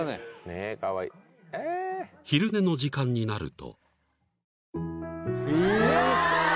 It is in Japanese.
［昼寝の時間になると］